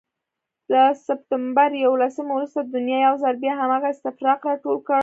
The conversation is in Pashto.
له سپتمبر یوولسمې وروسته دنیا یو ځل بیا هماغه استفراق راټول کړ.